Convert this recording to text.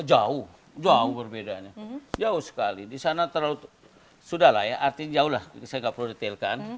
jauh jauh berbedanya jauh sekali di sana terlalu sudah lah ya artinya jauh lah saya nggak perlu detailkan